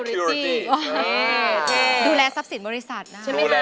ดูแลทรัพย์ศิลป์บริษัทนะ